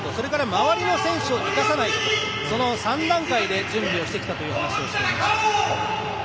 周りの選手を生かさせないことその３段階で準備をしてきたという話をしていました。